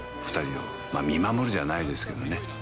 二人を見守るじゃないですけどね